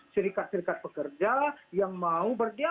syarikat syarikat pekerja yang mau berdialog